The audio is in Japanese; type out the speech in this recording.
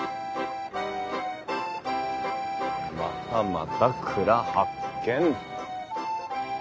またまた蔵発見。